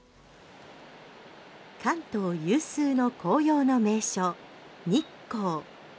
関東有数の紅葉の名所、日光。